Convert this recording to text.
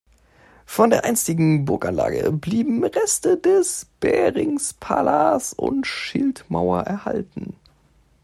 Von der einstigen Burganlage blieben Reste des Berings, Palas und Schildmauer erhalten.